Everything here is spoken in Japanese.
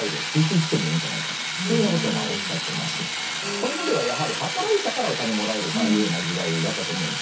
これまではやはり働いたからお金もらえるっていうような時代だったと思うんですね。